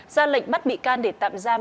ra lệnh bắt bị can để tạm giam